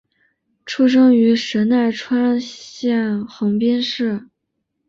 出生于神奈川县横滨市。